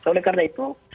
oleh karena itu